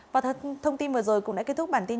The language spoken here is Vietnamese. và thông tin vừa rồi cũng đã kết thúc bản tin